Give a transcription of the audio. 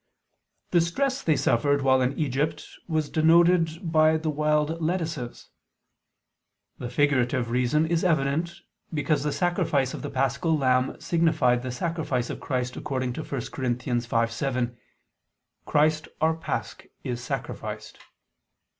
The stress they suffered while in Egypt was denoted by the wild lettuces. The figurative reason is evident, because the sacrifice of the paschal lamb signified the sacrifice of Christ according to 1 Cor. 5:7: "Christ our pasch is sacrificed."